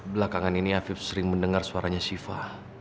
belakangan ini afif sering mendengar suaranya siva